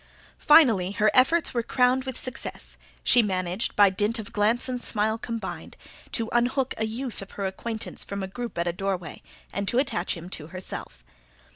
Finally, her efforts were crowned with success: she managed, by dint of glance and smile combined, to unhook a youth of her acquaintance from a group at a doorway, and to attach him to herself.